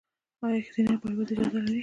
ایا ښځینه پایواز اجازه لري؟